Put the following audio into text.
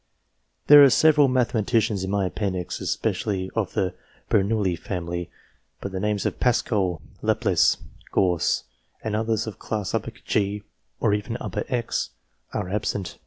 There are several mathematicians in my appendix, especially the Bernoulli family ; but the names of Pascal, Laplace, Gauss, and others of class G or even X, are absent.